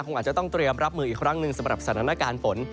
คงอาจจะต้องเตรียมรับมืออีกครั้งหนึ่งสำหรับสถานการณ์ฝน